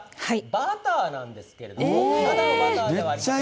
バターなんですけれどもふだんのバターではありません。